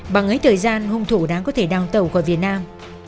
bằng ấy thời gian hùng thủ đã có thể đăng tàu khỏi việt nam